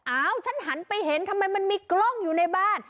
อ้าวฉันหันไปเห็นทำไมมันมีกล้องอยู่ในบ้าน